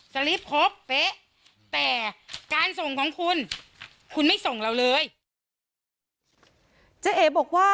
สลิปครบเป๊ะแต่การส่งของคุณคุณไม่ส่งเราเลยเจ๊เอ๋บอกว่า